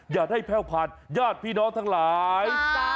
อย่าได้แพ่วผ่านญาติพี่น้องทั้งหลาย